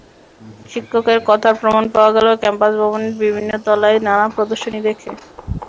শিক্ষকের কথার প্রমাণ পাওয়া গেল ক্যাম্পাস ভবনের বিভিন্ন তলায় নানা প্রদর্শনী দেখে।